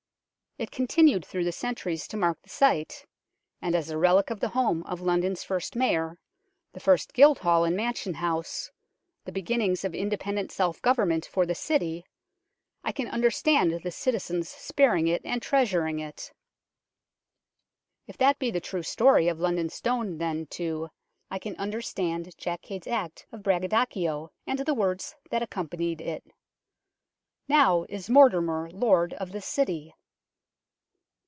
It continued through the centuries to mark the site, and as a relic of the home of London's first Mayor, the first Guildhall and Mansion House, the beginnings of independent self government for the City, I can understand the citizens sparing it and treasuring it. 138 UNKNOWN LONDON If that be the true story of London Stone, then, too, I can understand Jack Cade's act of bragga docio and the words that accompanied it. " Now is Mortimer lord of this city